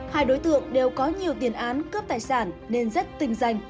hai đối tượng đều có nhiều tiền án cướp tài sản nên rất tinh danh